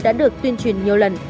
đã được tuyên truyền nhiều lần